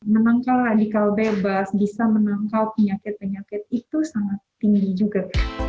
menangkal radikal bebas bisa menangkal penyakit penyakit itu sangat tinggi juga